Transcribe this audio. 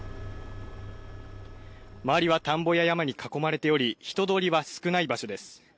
周りは田んぼや山に囲まれており人通りは少ない場所です。